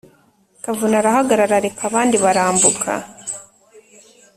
” kavuna arahagarara, areka abandi barambuka